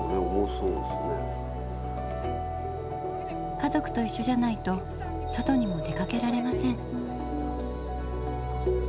家族といっしょじゃないと外にも出かけられません。